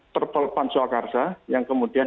perpol pansokarsa yang kemudian